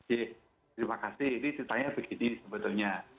ya terima kasih ini ceritanya begini sebetulnya